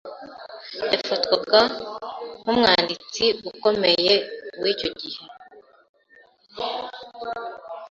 Yafatwaga nkumwanditsi ukomeye wicyo gihe.